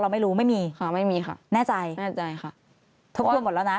ไม่รู้ไม่มีค่ะไม่มีค่ะแน่ใจแน่ใจค่ะทบทวนหมดแล้วนะ